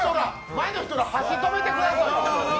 前の人ら箸止めてください。